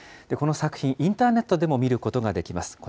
この作品、インターネットでも見ることができます。